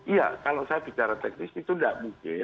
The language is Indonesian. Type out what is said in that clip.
iya kalau saya bicara teknis itu tidak mungkin